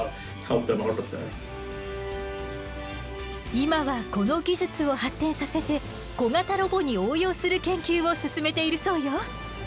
今はこの技術を発展させて小型ロボに応用する研究を進めているそうよ。